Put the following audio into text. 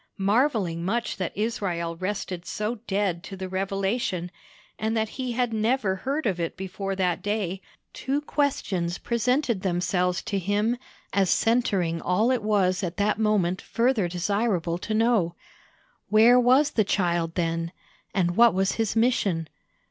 Marvelling much that Israel rested so dead to the revelation, and that he had never heard of it before that day, two questions presented themselves to him as centring all it was at that moment further desirable to know: Where was the Child then? And what was his mission?